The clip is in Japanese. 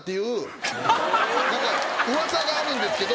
噂があるんですけど。